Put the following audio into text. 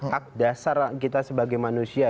hak dasar kita sebagai manusia